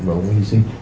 và ông hy sinh